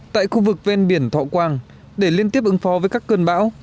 tại khu vực ven biển thọ quang để liên tiếp ứng phó với các cơn bão